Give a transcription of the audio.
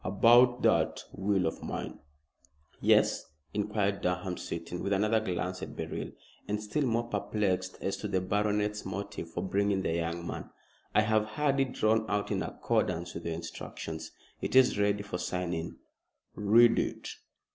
"About that will of mine " "Yes?" inquired Durham, sitting, with another glance at Beryl, and still more perplexed as to the baronet's motive for bringing the young man. "I have had it drawn out in accordance with your instructions. It is ready for signing." "Read it."